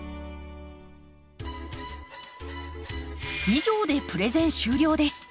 以上でプレゼン終了です。